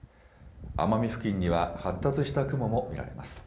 奄美付近には発達した雲も見られます。